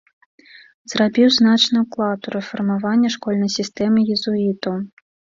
Зрабіў значны ўклад у рэфармаванне школьнай сістэмы езуітаў.